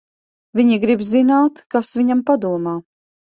Viņi grib zināt, kas viņam padomā.